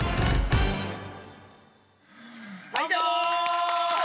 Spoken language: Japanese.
はいどうも！